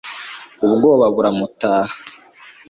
ubwoba buramutaha